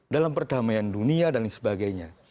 dalam perdamaian dunia dan sebagainya